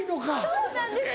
そうなんです！